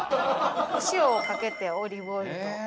お塩をかけてオリーブオイルと。